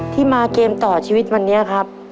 มาเกมต่อชีวิตวันนี้ครับ